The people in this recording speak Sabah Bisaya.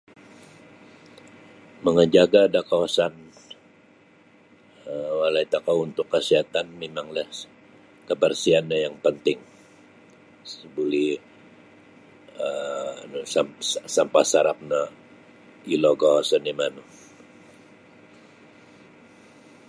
Mangajaga' da kawasan um walai tokou untuk kasihatan mimanglah kabarsihan no yang panting isa' buli um nu sam sampah sarap no ilogos oni' manu.